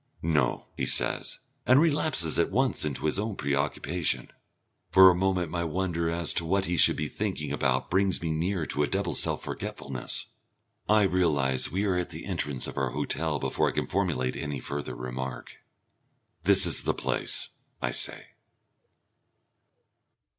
"No," he says, and relapses at once into his own preoccupation. For a moment my wonder as to what he should be thinking about brings me near to a double self forgetfulness. I realise we are at the entrance of our hotel before I can formulate any further remark. "This is the place," I say.